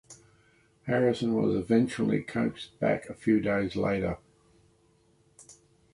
Harrison was eventually coaxed back a few days later.